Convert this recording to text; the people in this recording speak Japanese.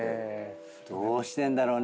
どうしてんだろうね。